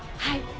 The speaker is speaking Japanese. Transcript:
はい。